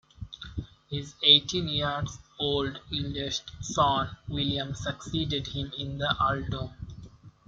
His eighteen-year-old eldest son William succeeded him in the earldom.